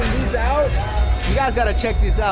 lihat ini kalian harus lihat ini